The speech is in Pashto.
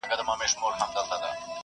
مطالعه د ښه پوهیدو لپاره اړینه ده.